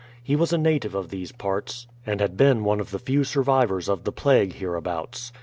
He was a native of these parts, and had been one of the few survivors of the plague here abouts.